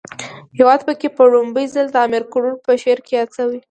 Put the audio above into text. هیواد پکی په ړومبی ځل د امیر کروړ په شعر کې ياد شوی